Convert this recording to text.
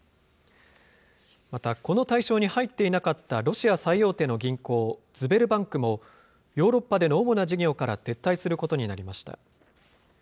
また、この対象に入っていなかったロシア最大手の銀行、ズベルバンクも、ヨーロッパでの主な事業から撤退することになりました。